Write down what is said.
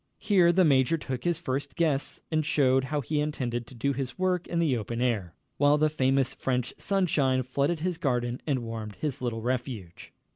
Here the major took his first guests and showed how he intended to do his work in the open air, while the famous French sunshine flooded his garden and warmed his little refuge.